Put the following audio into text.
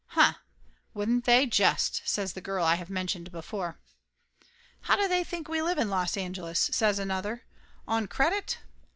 "Huh! Wouldn't they, just!" says the girl I have mentioned before. "How do they think we live in Los Angeles?" says another. "On credit?